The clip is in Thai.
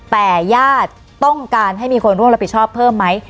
แต่ญาติต้องการให้มีคนร่วมรับผิดชอบเพิ่มไหม